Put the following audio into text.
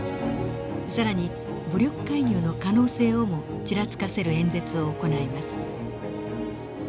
更に武力介入の可能性をもちらつかせる演説を行います。